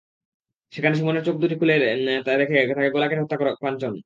সেখানে সুমনের চোখ দুটি খুলে রেখে তাকে গলা কেটে হত্যা করে কাঞ্চন।